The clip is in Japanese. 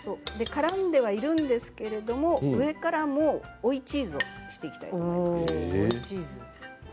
からんではいるんですけど上からも追いチーズをしていきたいと思います。